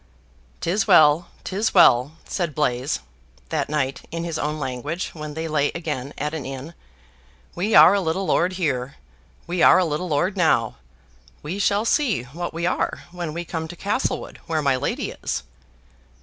"'Tis well, 'tis well!" said Blaise, that night (in his own language) when they lay again at an inn. "We are a little lord here; we are a little lord now: we shall see what we are when we come to Castlewood, where my lady is."